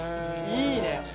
いいね！